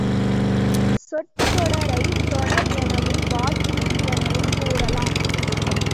சொற்றொடரைத் தொடர் எனவும் வாக்கியம் எனவும் கூறலாம்.